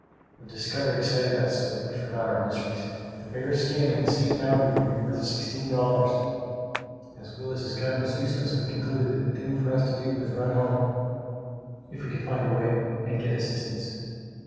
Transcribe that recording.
The discovery excited us so that we forgot our miseries. The bear's skin and the state bounty would be worth sixteen dollars. As Willis's gun was useless, we concluded that the thing for us to do was to run home if we could find the way and get assistance.